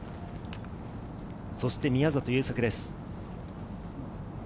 そして宮里優作です。